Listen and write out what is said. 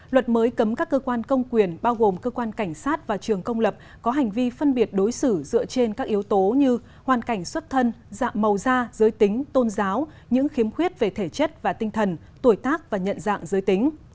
luật mới cấm các cơ quan công quyền bao gồm cơ quan cảnh sát và trường công lập có hành vi phân biệt đối xử dựa trên các yếu tố như hoàn cảnh xuất thân dạng màu da giới tính tôn giáo những khiếm khuyết về thể chất và tinh thần tuổi tác và nhận dạng giới tính